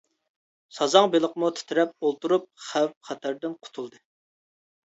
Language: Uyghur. سازاڭ بېلىقمۇ تىترەپ ئولتۇرۇپ خەۋپ-خەتەردىن قۇتۇلدى.